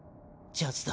ジャズだ。